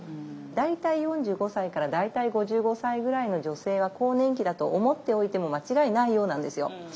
大体４５歳から大体５５歳ぐらいの女性は更年期だと思っておいても間違いないようなんですよ。